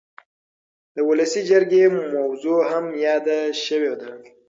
د ولسي جرګې موضوع هم یاده شوې ده.